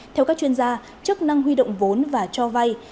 theo các chuyên gia chức năng huy động vốn và cho vay